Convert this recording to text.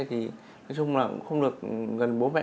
nói chung là không được gần bố mẹ